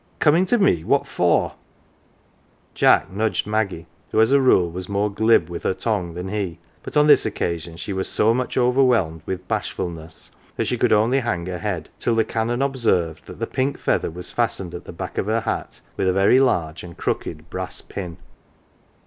" Coming to me ? What for ?" Jack nudged Maggie, who, as a rule, was more glib with her tongue than he ; but on this occasion she was so much overwhelmed with bashfulness that she could only hang her head, till the Canon observed that the pink feather was fastened at the back of her hat with a very large and crooked brass pin.